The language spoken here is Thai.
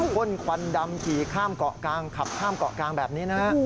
พ่นควันดำขี่ข้ามเกาะกลางขับข้ามเกาะกลางแบบนี้นะฮะ